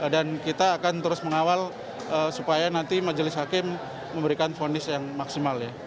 dan kita akan terus mengawal supaya nanti majelis hakim memberikan fondis yang maksimal